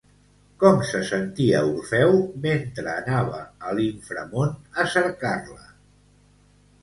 Com se sentia Orfeu mentre anava a l'inframon a cercar-la?